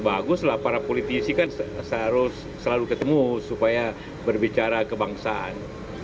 baguslah para politisi kan harus selalu ketemu supaya berbicara kebangsaan